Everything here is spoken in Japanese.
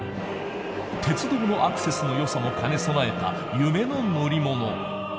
鉄道のアクセスのよさも兼ね備えた夢の乗り物。